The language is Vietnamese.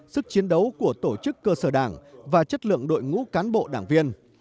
sức chiến đấu của tổ chức cơ sở đảng và chất lượng đội ngũ cán bộ đảng viên